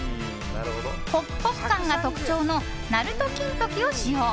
ホクホク感が特徴の鳴門金時を使用。